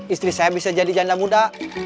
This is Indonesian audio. istri saya bisa jadi janda muda